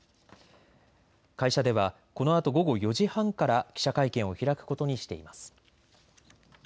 会社ではこのあと午後４時半から記者会見を開くことにしています。